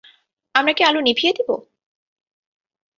আমরা কি আলো নিভিয়ে দিব?